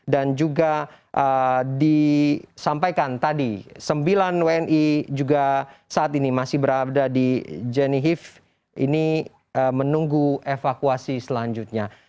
dan juga disampaikan tadi sembilan wni juga saat ini masih berada di genehieve ini menunggu evakuasi selanjutnya